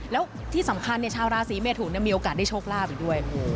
แล้วที่สำคัญชาวราศีเมทุนมีโอกาสได้โชคลาภอีกด้วย